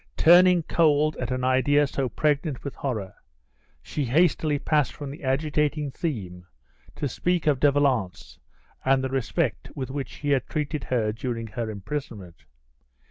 Turning cold at an idea so pregnant with horror, she hastily passed from the agitating theme to speak of De Valence and the respect with which he had treated her during her imprisonment.